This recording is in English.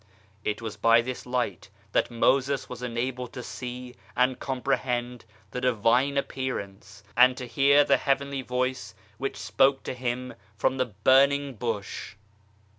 It was by this Light that Moses was enabled to see and comprehend the Divine Appearance, and to hear the Heavenly Voice which spoke to him from the Burning Bush.